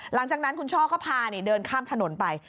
หลังจากนั้นคุณช่อก็พาเดินข้ามถนนไป